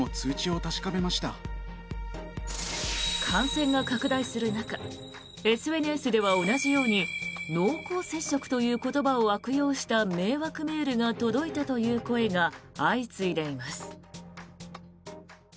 感染が拡大する中ＳＮＳでは同じように濃厚接触という言葉を悪用した迷惑メールが届いたという声が相次いでいます。